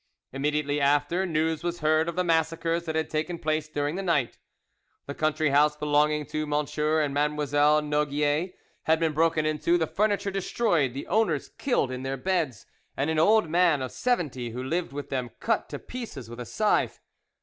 Immediately after, news was heard of the massacres that had taken place during the night. The country house belonging to M. and Mme. Noguies had been broken into, the furniture destroyed, the owners killed in their beds, and an old man of seventy who lived with them cut to pieces with a scythe.